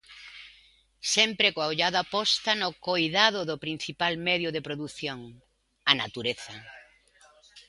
Sempre coa ollada posta no coidado do principal medio de produción: a natureza.